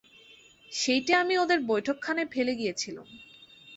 সেইটে আমি ওদের বৈঠকখানায় ফেলে গিয়েছিলুম।